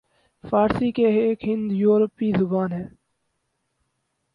فارسی ایک ہند یورپی زبان ہے